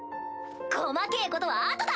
細けぇことはあとだ！